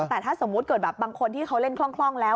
แต่ถ้าสมมุติเกิดแบบบางคนที่เขาเล่นคล่องแล้ว